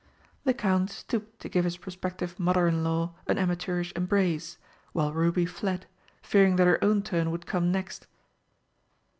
The Count stooped to give his prospective Mother in law an amateurish embrace, while Ruby fled, fearing that her own turn would come next.